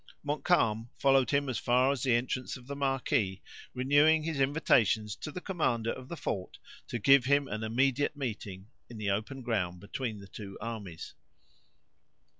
Montcalm followed him as far as the entrance of the marquee, renewing his invitations to the commandant of the fort to give him an immediate meeting in the open ground between the two armies.